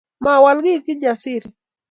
Mowol kiy Kijasiri